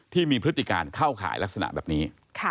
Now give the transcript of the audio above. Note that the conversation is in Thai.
พฤติการเข้าข่ายลักษณะแบบนี้